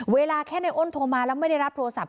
เวลาแค่ในอ้นโทรมาแล้วไม่ได้รับโทรศัพ